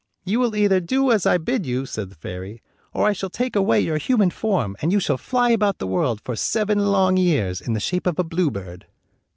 "You will either do as I bid you," said the fairy, "or I shall take away your human form, and you shall fly about the world, for seven long years, in the shape of a bluebird."